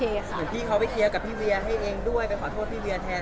เดี๋ยวพี่เขาไปเคลียร์กับพี่เวียให้เองด้วยไปขอโทษพี่เวียแทน